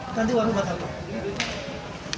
nanti uangnya bakal